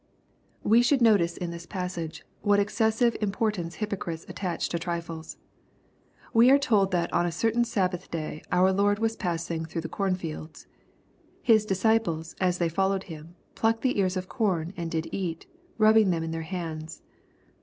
We should notice, in this passage, what excessive im^ portance hypocrites oMach to trifles. We are told that on a certain Sabbath day our Lord was passing " through the cornfields.'' His disciples, as they followed Him, " plucked the ears of corn, and did eat, rubbing them in their hands.'